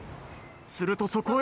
するとそこへ。